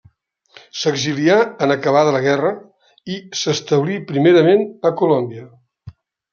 S'exilià en acabada la guerra i s'establí primerament a Colòmbia.